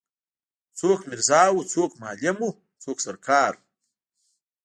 څوک میرزا وو څوک معلم وو څوک سر کار وو.